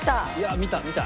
見た見た。